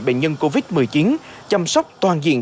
bệnh nhân covid một mươi chín chăm sóc toàn diện